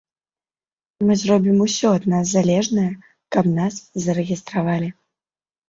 Мы зробім усё ад нас залежнае, каб нас зарэгістравалі.